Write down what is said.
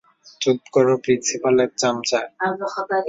চুপ করো প্রিন্সিপালের চামচা।